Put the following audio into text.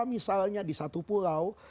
misalnya di satu pulau